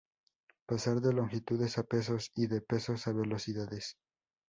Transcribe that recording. Pasar de longitudes a pesos y de pesos a velocidades.